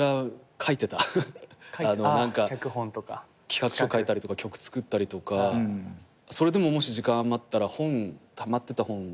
企画書書いたりとか曲作ったりとかそれでももし時間余ったらたまってた本。